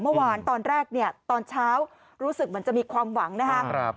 เมื่อวานตอนแรกเนี่ยตอนเช้ารู้สึกเหมือนจะมีความหวังนะครับ